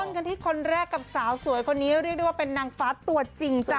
กันที่คนแรกกับสาวสวยคนนี้เรียกได้ว่าเป็นนางฟ้าตัวจริงจ้ะ